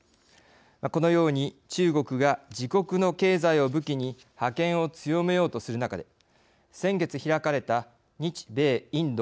このように中国が自国の経済を武器に覇権を強めようとする中で先月開かれた日米インド